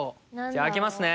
じゃあ開けますね